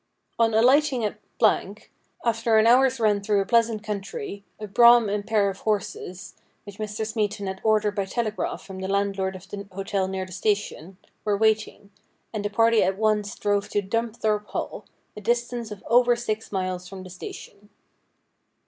On alighting at , after an hour's run through a pleasant country, a brougham and pair of horses, which Mr. Smeaton had ordered by telegraph from the landlord of the hotel near the station, were waiting, and the party at once drove to Dumthorpe Hall, a distance of over six miles from the station.